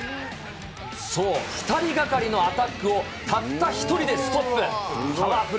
そう、２人がかりのアタックをたった１人でストップ。